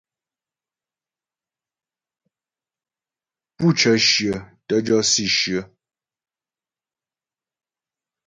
Pú cə́ shyə tə́ jɔ si shyə.